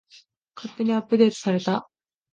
勝手にアップデートされた